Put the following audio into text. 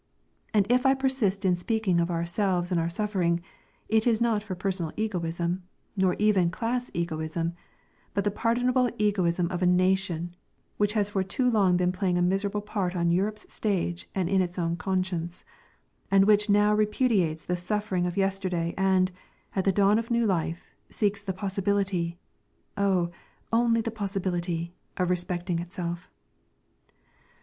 And if I persist in speaking of ourselves and our suffering, it is not for personal egoism, nor even class egoism, but the pardonable egoism of a nation, which has been too long playing a miserable part on Europe's stage and in its own conscience, and which now repudiates the suffering of yesterday and, at the dawn of new life, seeks the possibility oh, only the possibility! of respecting itself.